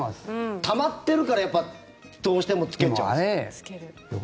たまってるからやっぱどうしてもつけちゃうんですよ。